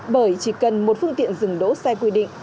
bởi chỉ cần một phương tiện dừng đỗ sai quy định